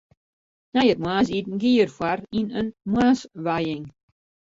Nei it moarnsiten gie er foar yn in moarnswijing.